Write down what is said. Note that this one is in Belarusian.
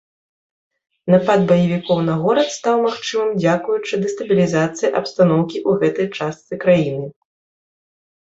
Напад баевікоў на горад стаў магчымы дзякуючы дэстабілізацыі абстаноўкі ў гэтай частцы краіны.